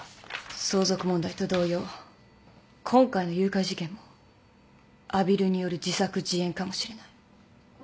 相続問題と同様今回の誘拐事件も阿比留による自作自演かもしれない。